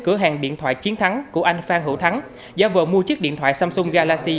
cửa hàng điện thoại chiến thắng của anh phan hữu thắng giá vừa mua chiếc điện thoại samsung galaxy